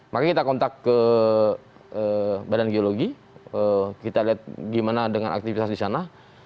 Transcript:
makanya kita kontak ke badan geologi kita lihat gimana dengan aktivitas di sana